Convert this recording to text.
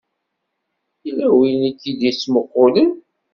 Yella win i k-id-ittmuqqulen.